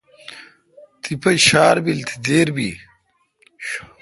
تیپہ ڄار بیل تو دیر بی۔